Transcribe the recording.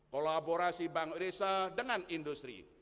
kolaborasi bank indonesia dengan industri